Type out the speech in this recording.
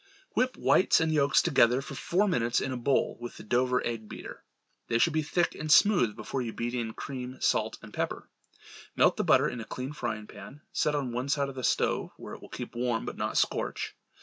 Whip whites and yolks together for four minutes in a bowl with the "Dover" egg beater. They should be thick and smooth before you beat in cream, salt and pepper. Melt the butter in a clean frying pan, set on one side of the stove where it will keep warm but not scorch.